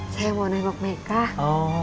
saya mau nengok meka